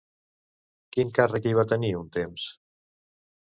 Quin càrrec hi va tenir un temps?